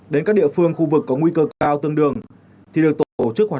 đến các địa phương khu vực có nguy cơ cao tương đương thì được tổ chức hoạt động vận tải bình thường